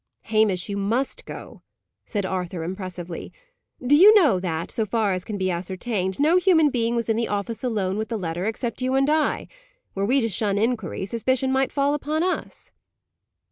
"Hamish, you must go," said Arthur, impressively. "Do you know that so far as can be ascertained no human being was in the office alone with the letter, except you and I. Were we to shun inquiry, suspicion might fall upon us."